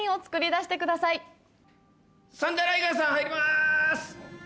サンダー・ライガーさん入ります！